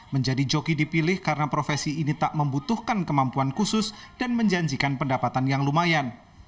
menjadi joki dipilih karena profesi ini tak membutuhkan kemampuan khusus dan menjanjikan pendapatan yang lumayan